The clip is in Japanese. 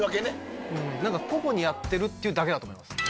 何か個々にやってるっていうだけだと思います。